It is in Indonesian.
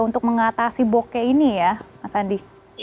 untuk mengatasi boke ini ya mas andi